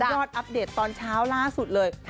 อัปเดตตอนเช้าล่าสุดเลย